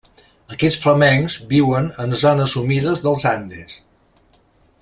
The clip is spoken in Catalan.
Aquests flamencs viuen en zones humides dels Andes.